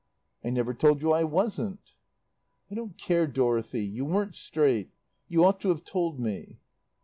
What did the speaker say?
"I never told you I wasn't." "I don't care, Dorothy; you weren't straight. You ought to have told me."